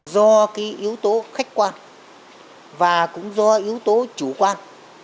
do cái yếu tố khách quan và cũng do yếu tố chủ quan